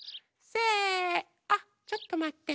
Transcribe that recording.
せあちょっとまって。